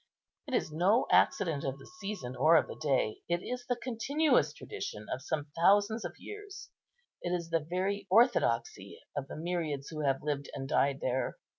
It is no accident of the season or of the day; it is the continuous tradition of some thousands of years; it is the very orthodoxy of the myriads who have lived and died there.